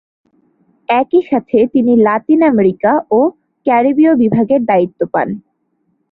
একইসাথে তিনি Latin America ও ক্যারিবীয় বিভাগের দায়িত্ব পান।